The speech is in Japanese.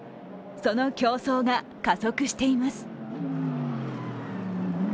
その競争が加速しています。